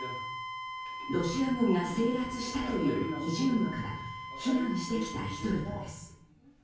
ロシア軍が制圧したというイジュームから避難してきた人々です。